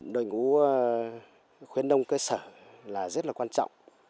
đội ngũ khuyến đông cơ sở là rất là quan trọng